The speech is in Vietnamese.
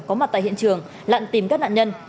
có mặt tại hiện trường lặn tìm các nạn nhân